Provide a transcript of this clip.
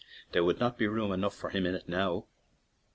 (There would not be room enough for him in it now.)